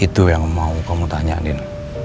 itu yang mau kamu tanyain